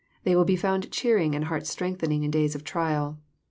They will be found cheering and heart strengthening in days of trial.